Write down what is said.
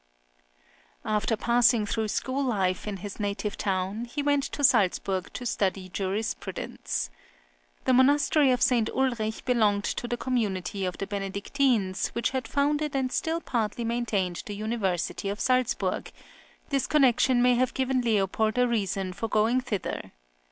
After passing through school life in his native town, he went to Salzburg to study jurisprudence. The monastery of St. Ulrich belonged to the community of the Benedictines, which had founded and still partly maintained the university of Salzburg; this connection may have given Leopold a reason for going thither.